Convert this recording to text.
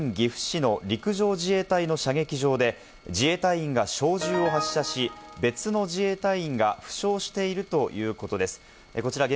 防衛省関係者によりますと、岐阜県岐阜市の陸上自衛隊の射撃場で自衛隊員が小銃を発射し、別の自衛隊員が負傷しているということです。